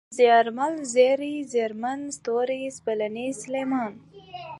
زيارمل ، زېرى ، زرين ، ستوری ، سپېلنی ، سلېمان